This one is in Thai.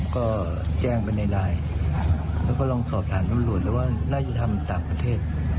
ก็แจ้งไปในไลน์แล้วก็ลองสอบถามตำรวจแล้วว่าน่าจะทำต่างประเทศ